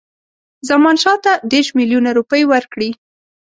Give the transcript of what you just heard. زمانشاه ته دېرش میلیونه روپۍ ورکړي.